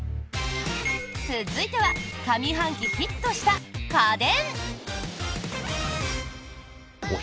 続いては上半期ヒットした家電！